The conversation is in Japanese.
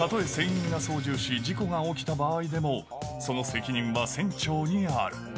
たとえ船員が操縦し、事故が起きた場合でも、その責任は船長にある。